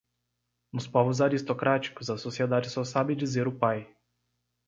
Nos povos aristocráticos, a sociedade só sabe dizer o pai.